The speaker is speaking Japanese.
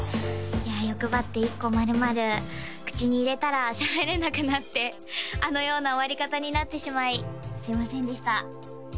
いや欲張って１個まるまる口に入れたらしゃべれなくなってあのような終わり方になってしまいすいませんでした